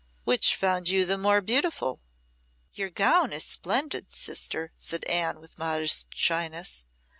Which found you the most beautiful?" "Your gown is splendid, sister," said Anne, with modest shyness.